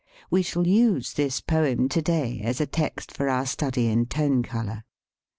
We shall use this poem to day as a text for our study in tone color.